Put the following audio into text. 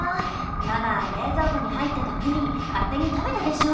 ママ冷蔵庫に入ってたプリン勝手に食べたでしょ。